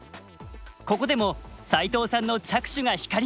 ここでも齋藤さんの着手が光ります。